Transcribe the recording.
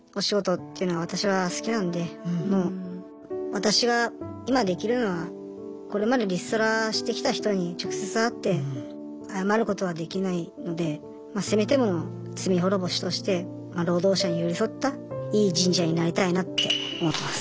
私が今できるのはこれまでリストラしてきた人に直接会って謝ることはできないのでせめてもの罪滅ぼしとして労働者に寄り添ったいい人事屋になりたいなって思ってます。